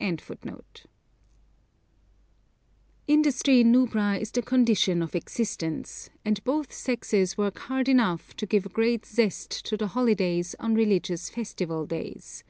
Industry in Nubra is the condition of existence, and both sexes work hard enough to give a great zest to the holidays on religious festival days.